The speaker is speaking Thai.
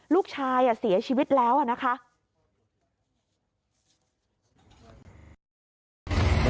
ลูกชายเสียชีวิตแล้วนะคะ